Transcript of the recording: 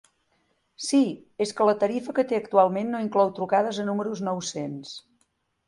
Sí, és que la tarifa que té actualment no inclou trucades a números nou-cents.